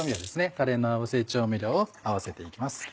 タレの合わせ調味料を合わせて行きます。